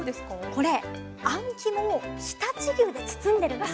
これあん肝を常陸牛で包んでるんです。